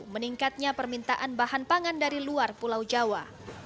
meningkatnya permintaan bahan pangan dari luar pulau jawa